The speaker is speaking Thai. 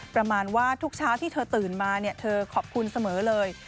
ประมาณว่าทุกเช้าที่เธอตื่นมาเธอขอบคุณเสมอเลย